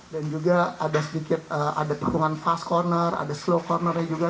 dan juga ada sedikit ada tukungan fast corner ada slow cornernya juga